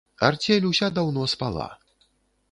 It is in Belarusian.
Арцель уся даўно спала.